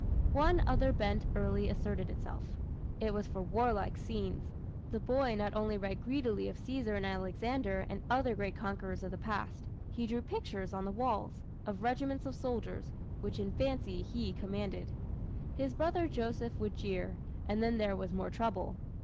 One other bent early asserted itself. It was for warlike scenes. The boy not only read greedily of Caesar and Alexander and other great conquerors of the past he drew pictures on the walls, of regiments of soldiers, which in fancy he commanded. His brother Joseph would jeer, and then there was more trouble.